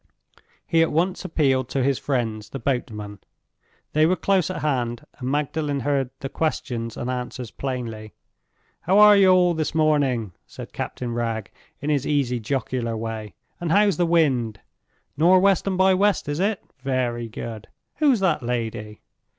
He at once appealed to his friends, the boatmen. They were close at hand, and Magdalen heard the questions and answers plainly. "How are you all this morning?" said Captain Wragge, in his easy jocular way. "And how's the wind? Nor' west and by west, is it? Very good. Who is that lady?"